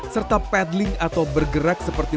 serta padling atau bergerak seperti